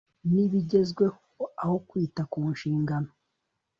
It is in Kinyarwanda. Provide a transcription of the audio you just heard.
nibigezweho aho kwita ku nshingano